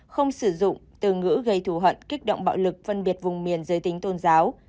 không sử dụng từ ngữ gây thù hận kích động bạo lực phân biệt vùng miền giới tính tôn giáo